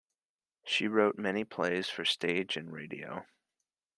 She wrote many plays for stage and radio.